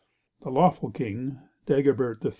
The lawful king, Dagobert III.